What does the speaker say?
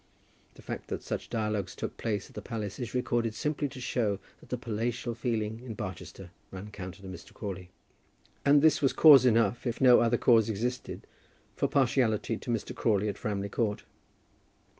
The fact that such dialogues took place at the palace is recorded simply to show that the palatial feeling in Barchester ran counter to Mr. Crawley. And this was cause enough, if no other cause existed, for partiality to Mr. Crawley at Framley Court.